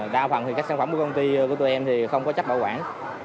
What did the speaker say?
đa phần thì các sản phẩm của công ty của tụi em thì không có chất bảo quản